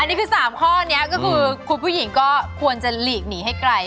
อันนี้คือ๓ข้อนี้ก็คือคุณผู้หญิงก็ควรจะหลีกหนีให้ไกล